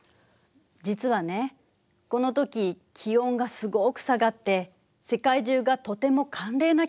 実はねこのとき気温がすごく下がって世界中がとても寒冷な気候になったの。